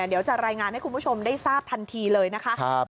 เดี๋ยวจะรายงานให้คุณผู้ชมได้ทราบทันทีเลยนะคะ